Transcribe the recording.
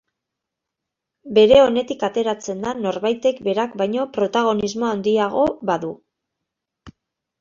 Bere onetik ateratzen da norbaitek berak baino protagonismo handiago badu.